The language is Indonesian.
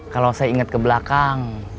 kalau saya ingat ke belakang